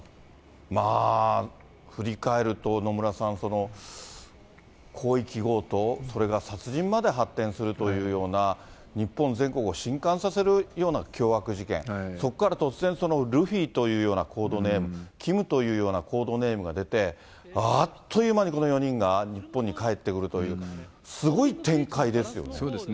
まあ、振り返ると野村さん、広域強盗、それが殺人まで発展するというような、日本全国をしんかんさせるような凶悪事件、そこから突然、ルフィというようなコードネーム、キムというようなコードネームが出て、あっという間にこの４人が日本に帰ってくるという、そうですね。